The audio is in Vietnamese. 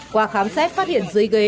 qua khám xét phát hiện dưới ghế